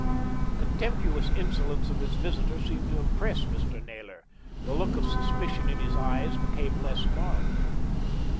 The contemptuous insolence of his visitor seemed to impress Mr. Naylor. The look of suspicion in his eyes became less marked.